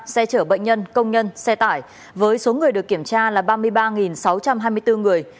xe chở bệnh nhân công nhân xe tải với số người được kiểm tra là ba mươi ba sáu trăm hai mươi bốn người